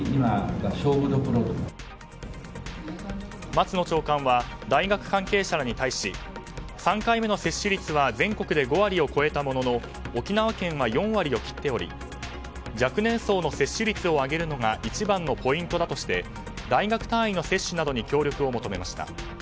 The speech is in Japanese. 松野長官は大学関係者らに対し３回目の接種率は全国で５割を超えたものの沖縄県は４割を切っており若年層の接種率を上げるのが一番のポイントだとして大学単位の接種などに協力を求めました。